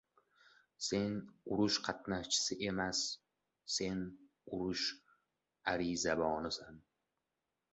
— Sen urush qatnashchisi emas... sen — urush arizabozisan!